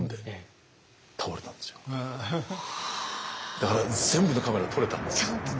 だから全部のカメラで撮れたんです。